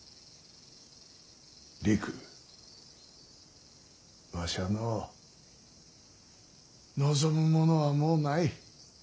りくわしはのう望むものはもうない。